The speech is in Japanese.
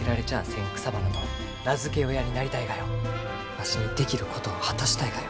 わしにできることを果たしたいがよ。